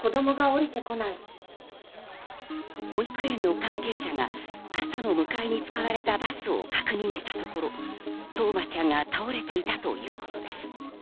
保育園の関係者が朝の迎えに使われたバスを確認したところ、冬生ちゃんが倒れていたということです。